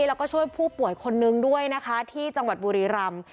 แล้วก็ช่วยผู้ป่วยคนนึงด้วยนะคะที่จังหวัดบุรีรำ